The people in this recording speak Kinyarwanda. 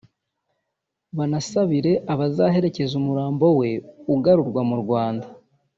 banasabire abazaherekeza umurambo we ugarurwa mu Rwanda